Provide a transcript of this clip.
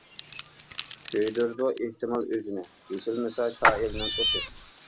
كۆيدۈرىدۇ ئېھتىمال ئۆزنى، بېسىلمىسا شائىرنىڭ ئوتى.